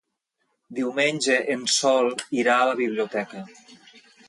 Diumenge en Sol irà a la biblioteca.